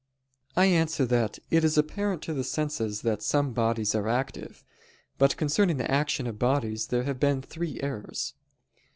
I answer that, It is apparent to the senses that some bodies are active. But concerning the action of bodies there have been three errors.